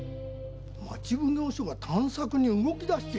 町奉行所が探索に動き出している様子で。